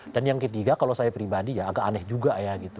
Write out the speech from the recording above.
dan yang ketiga kalau saya pribadi ya agak aneh juga ya gitu